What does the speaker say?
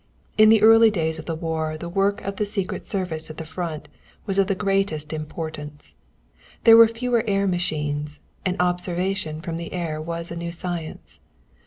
In the early days of the war the work of the secret service at the Front was of the gravest importance. There were fewer air machines, and observation from the air was a new science.